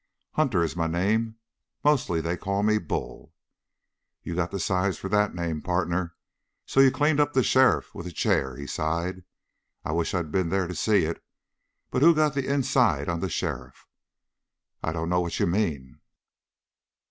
"Hunter is my name. Mostly they call me Bull." "You got the size for that name, partner. So you cleaned up the sheriff with a chair?" he sighed. "I wish I'd been there to see it. But who got the inside on the sheriff?" "I dunno what you mean?"